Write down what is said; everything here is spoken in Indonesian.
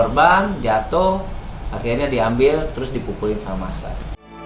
korban jatuh akhirnya diambil terus dipukulin sama masak